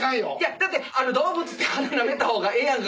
「だって動物って鼻なめた方がええやんか」